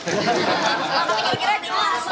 selamat tinggal pak